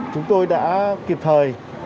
chúng tôi đã kịp thời